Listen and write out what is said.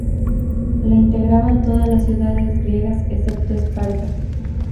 La integraban todas las ciudades griegas excepto Esparta.